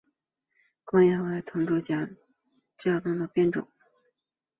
光叶娃儿藤为夹竹桃科娃儿藤属娃儿藤的变种。